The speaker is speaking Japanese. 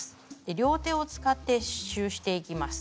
両手を使って刺しゅうしていきます。